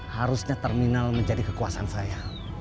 harusnya terminal menjadi kekuasaan saya